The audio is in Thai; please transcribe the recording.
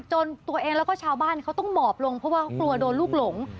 จนตัวเองแล้วก็ชาวบ้านเขาต้องหมอบลงเพราะว่าเขากลัวโดนลูกหลง